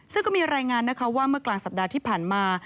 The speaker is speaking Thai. ซึ่งก็มีรายงานนะคะว่าเมื่อกลางสัปดาห์ที่ผ่านมา